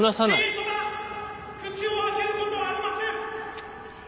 Ｋトラ口を開けることはありません！